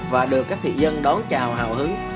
và được các thị dân đón chào hào hứng